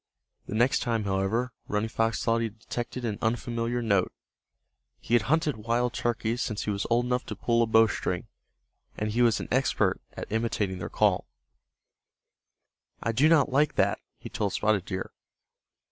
The next time, however, Running Fox thought he detected an unfamiliar note. He had hunted wild turkeys since he was old enough to pull a bowstring, and he was an expert at imitating their call. "I do not like that," he told Spotted Deer.